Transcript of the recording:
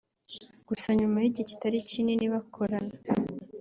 Gusa nyuma y’igihe kitari kinini bakorana